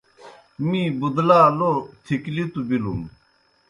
می بُدلا لو تِکھلِتوْ بِلُن۔